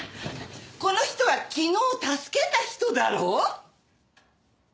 この人は昨日助けた人だろう。